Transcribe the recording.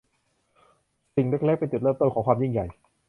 สิ่งเล็ก ๆ เป็นจุดเริ่มต้นของความยิ่งใหญ่